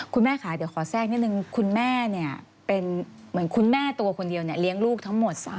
คุณแม่ค่ะเดี๋ยวขอแทรกนิดนึงคุณแม่เนี่ยเป็นเหมือนคุณแม่ตัวคนเดียวเนี่ยเลี้ยงลูกทั้งหมด